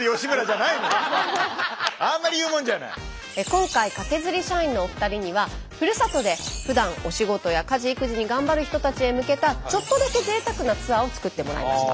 今回カケズリ社員のお二人にはふるさとでふだんお仕事や家事育児にがんばる人たちへ向けたちょっとだけ贅沢なツアーを作ってもらいました。